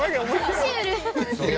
シュール。